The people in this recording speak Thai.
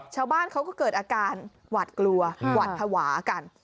ชาวบ้านเขาก็เกิดอาการหวาดกลัวหวัดภาวะกัน